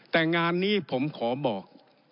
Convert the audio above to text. แต่งานนี้ผมขอบอก